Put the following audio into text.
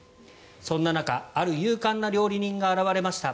そんな中ある勇敢な料理人が現れました。